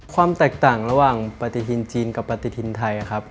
ความแตกต่างระหว่างปฏิทินจีนกับปฏิทินไทยครับ